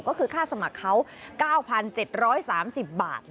ก็คือค่าสมัครเขา๙๗๓๐บาท